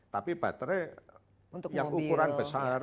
tapi baterai yang ukuran besar